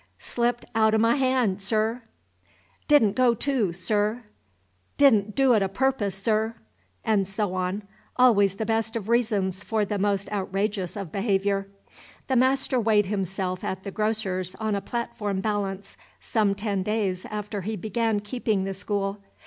"Slipped out o' m' han', Sir." "Did n' go to, Sir." "Did n' dew't o' purpose, Sir." And so on, always the best of reasons for the most outrageous of behavior. The master weighed himself at the grocer's on a platform balance, some ten days after he began keeping the school.